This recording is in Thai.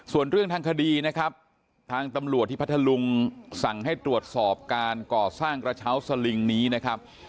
ส่วนเรื่องทางคดีนะครับทางตำรวจที่พัทธลุงสั่งให้ตรวจสอบการก่อสร้างกระเช้าสลิงนี้นะครับ